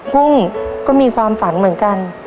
กุ้งก็มีความฝันเหมือนกัน